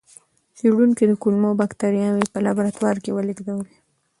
څېړونکي د کولمو بکتریاوې په لابراتوار کې ولېږدولې.